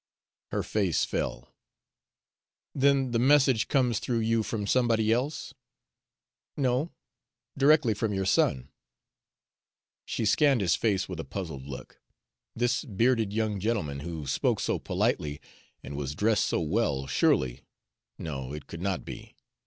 Her face fell. "Then the message comes through you from somebody else?" "No, directly from your son." She scanned his face with a puzzled look. This bearded young gentleman, who spoke so politely and was dressed so well, surely no, it could not be!